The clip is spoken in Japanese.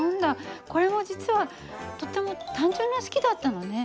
これも実はとっても単純な式だったのね。